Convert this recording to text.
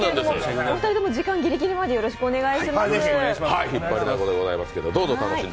お二人とも時間ぎりぎりまでよろしくお願いします。